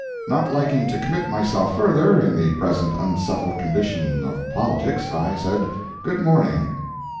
Not liking to commit myself further, in the present unsettled condition of politics, I said good morning.